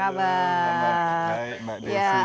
halo mbak kikaik mbak desi